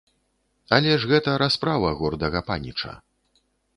Але ж гэта расправа гордага паніча.